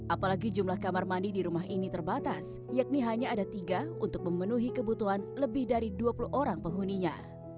apalagi jumlah kamar mandi di rumah ini terbatas yakni hanya ada tiga untuk memenuhi kebutuhan lebih dari dua puluh orang penghuninya